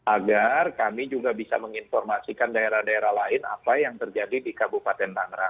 agar kami juga bisa menginformasikan daerah daerah lain apa yang terjadi di kabupaten tangerang